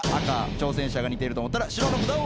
挑戦者が似てると思ったら白の札をお挙げください。